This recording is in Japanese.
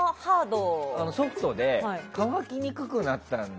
ソフトで乾きにくくなったの。